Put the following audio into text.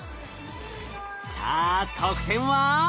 さあ得点は？